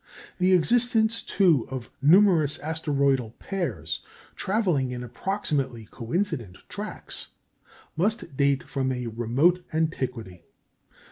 The existence, too, of numerous asteroidal pairs travelling in approximately coincident tracks, must date from a remote antiquity.